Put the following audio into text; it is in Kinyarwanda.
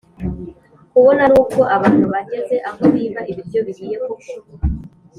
kubona nubwo abantu bageze aho biba ibiryo bihiye koko!